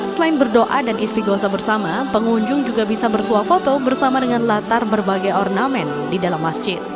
selain berdoa dan istiqosa bersama pengunjung juga bisa bersuah foto bersama dengan latar berbagai ornamen di dalam masjid